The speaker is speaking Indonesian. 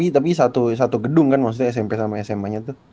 tapi satu gedung kan smp sama sma